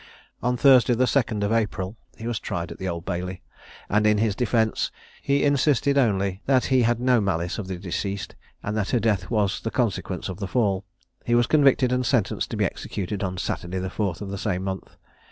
On Thursday, the 2d of April, he was tried at the Old Bailey; and, in his defence, he insisted only that he had no malice to the deceased, and that her death was the consequence of the fall. He was convicted, and sentenced to be executed on Saturday, the 4th of the same month.